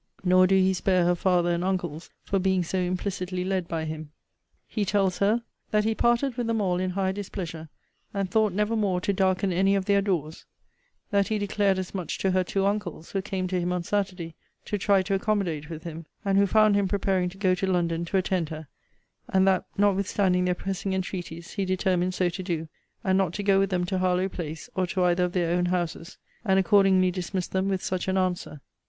Nor doe he spare her father and uncles for being so implicitly led by him.' He tells her, 'That he parted with them all in high displeasure, and thought never more to darken any of their doors: that he declared as much to her two uncles, who came to him on Saturday, to try to accommodate with him; and who found him preparing to go to London to attend her; and that, notwithstanding their pressing entreaties, he determined so to do, and not to go with them to Harlowe place, or to either of their own houses; and accordingly dismissed them with such an answer.